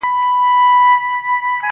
ته د سندرو سهنشاه جــــــــوړ ســـــــــې .